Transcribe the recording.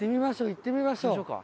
行ってみましょう。